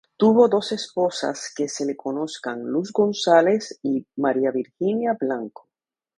Tuvo dos esposas que se le conozcan Luz González y María Virginia Blanco.